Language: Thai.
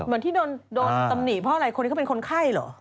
เหมือนที่โดนตำหนิเพราะอะไรคนนี้เขาเป็นคนไข้เหรอ